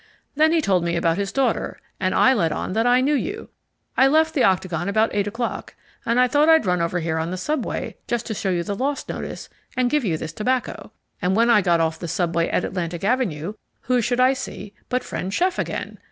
Then he told me about his daughter, and I let on that I knew you. I left the Octagon about eight o'clock, and I thought I'd run over here on the subway just to show you the LOST notice and give you this tobacco. And when I got off the subway at Atlantic Avenue, who should I see but friend chef again.